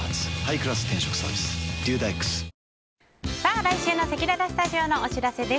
来週のせきららスタジオのお知らせです。